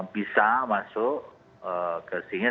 bisa masuk ke sini